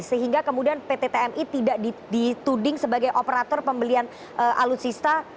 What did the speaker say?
sehingga kemudian pt tmi tidak dituding sebagai operator pembelian alutsista